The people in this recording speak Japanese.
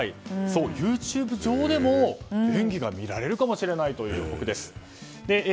そう、ＹｏｕＴｕｂｅ上でも演技が見られるかもしれないということです。